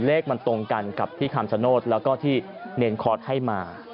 เลขมันตรงกันกับที่คำชโนธแล้วก็ที่เนรคอร์สให้มา